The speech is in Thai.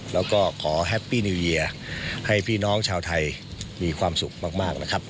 แล้วก็ขอแฮปปี้นิวเยียให้พี่น้องชาวไทยมีความสุขมากนะครับ